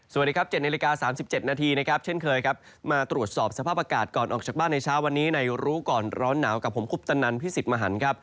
สวัสดีครับ๗นาฬิกา๓๗นาทีนะครับเช่นเคยครับมาตรวจสอบสภาพอากาศก่อนออกจากบ้านในเช้าวันนี้ในรู้ก่อนร้อนหนาวกับผมคุปตนันพี่สิทธิ์มหันครับ